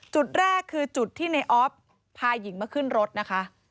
จุดแรกคือจุดที่ในออฟพาหญิงมาขึ้นรถนะคะ